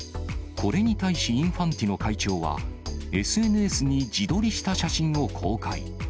これに対しインファンティノ会長は、ＳＮＳに自撮りした写真を公開。